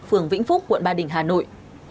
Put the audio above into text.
phường vĩnh phúc quận ba đình hà nội